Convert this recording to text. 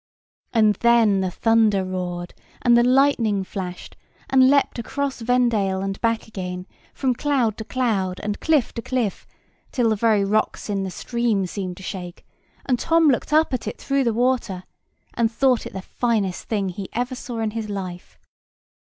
And then the thunder roared, and the lightning flashed, and leapt across Vendale and back again, from cloud to cloud, and cliff to cliff, till the very rocks in the stream seemed to shake: and Tom looked up at it through the water, and thought it the finest thing he ever saw in his life.